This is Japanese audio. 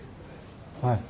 はい。